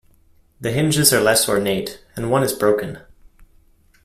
The hinges are less ornate, and one is broken.